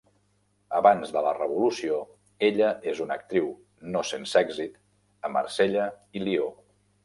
Abans de la Revolució, ella és una actriu, no sense èxit, a Marsella i Lió.